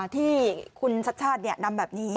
ที่คุณชัดชาตินำแบบนี้